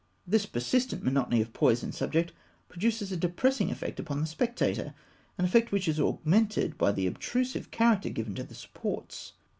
This persistent monotony of pose and subject produces a depressing effect upon the spectator, an effect which is augmented by the obtrusive character given to the supports.